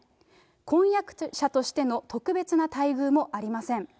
婚約者としての特別な待遇もありません。